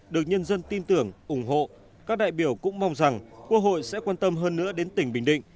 được nhân dân tin tưởng ủng hộ các đại biểu cũng mong rằng quốc hội sẽ quan tâm hơn nữa đến tỉnh bình định